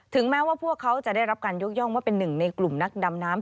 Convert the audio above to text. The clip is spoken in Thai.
แม้ว่าพวกเขาจะได้รับการยกย่องว่าเป็นหนึ่งในกลุ่มนักดำน้ำ